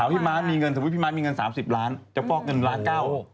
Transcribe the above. ถ้าพี่มันมีเงินสมมุติพี่มันมีเงิน๓๐ล้านจะบอกเงิน๑๙๐๐๐๐๐บาท